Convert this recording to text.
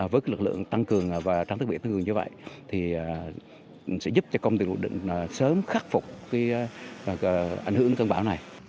với lực lượng tăng cường và trang thức biển tăng cường như vậy thì sẽ giúp cho công ty lực bình định sớm khắc phục ảnh hưởng cơn bão này